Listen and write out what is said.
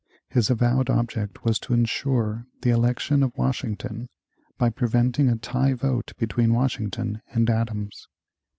His avowed object was to insure the election of Washington by preventing a tie vote between Washington and Adams.